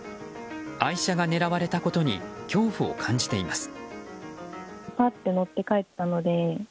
愛車が狙われたことに恐怖を感じています。